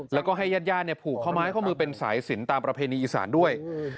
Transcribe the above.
แล้วก็ให้ญาติญาติผูกข้อไม้ข้อมือเป็นสายสินตามประเพณีอีสานด้วย